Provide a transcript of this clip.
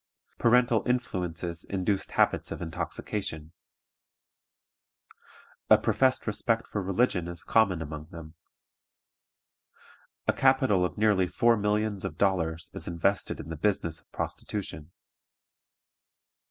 Parental influences induced habits of intoxication. A professed respect for religion is common among them. A capital of nearly four millions of dollars is invested in the business of prostitution.